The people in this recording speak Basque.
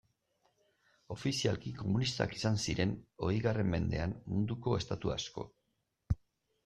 Ofizialki komunistak izan ziren, hogeigarren mendean, munduko estatu asko.